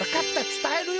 つたえるよ。